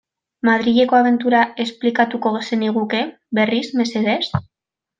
Madrileko abentura esplikatuko zeniguke berriz, mesedez?